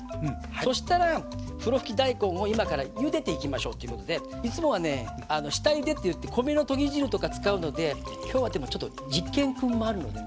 そうしたらふろふき大根を今からゆでていきましょうっていうことでいつもはねあの「下ゆで」って言って米のとぎ汁とか使うので今日はでもちょっと実験くんもあるのでね